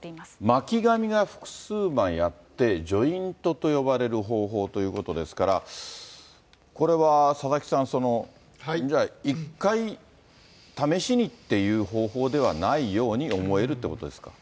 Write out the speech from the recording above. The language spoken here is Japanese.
巻紙が複数枚あって、ジョイントと呼ばれる方法ということですから、これは佐々木さん、じゃあ、一回試しにっていうような方法ではないと思えるということですか。